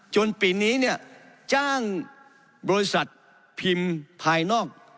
ปีนี้เนี่ยจ้างบริษัทพิมพ์ภายนอก